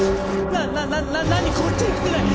ななななにこっちに来てない？